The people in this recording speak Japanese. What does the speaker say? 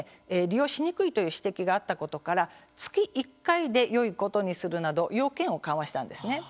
利用しにくいという指摘があったことから月１回でよいことにするなど要件を緩和したんですね。